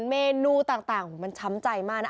เมนูต่างมันช้ำใจมากนะ